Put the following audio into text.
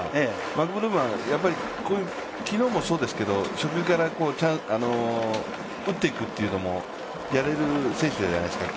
マクブルームは昨日もそうですが初球から打っていくというのもやれる選手ですから。